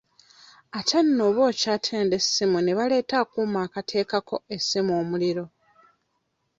Ate nno oba okyatenda essimu ne baleeta akuuma akateekako essimu omuliro.